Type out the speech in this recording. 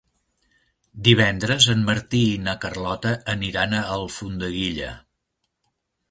Divendres en Martí i na Carlota aniran a Alfondeguilla.